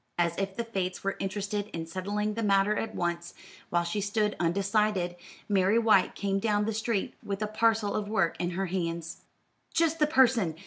As if the fates were interested in settling the matter at once, while she stood undecided, Mary White came down the street with a parcel of work in her hands. "Just the person!